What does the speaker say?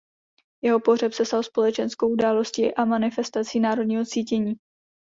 Jeho pohřeb se stal společenskou událostí a manifestací národního cítění.